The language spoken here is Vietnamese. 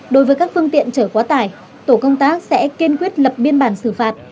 đối với các phương tiện trở quá tải tổ công tác sẽ kiên quyết lập biên bản xử phạt